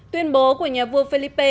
tuyên bố của nhà vua felipe